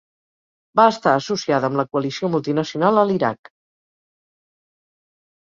Va estar associada amb la Coalició multinacional a l'Iraq.